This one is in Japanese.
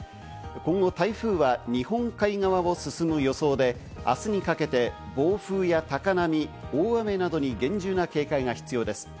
今後、台風は日本海側を進む予想で、明日にかけて暴風や高波、大雨などに厳重な警戒が必要です。